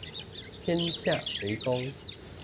天下為公